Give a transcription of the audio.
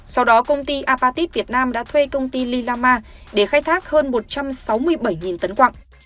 sau đó công ty apatit việt nam đã thuê công ty lilama để khai thác hơn một trăm sáu mươi bảy tấn quạng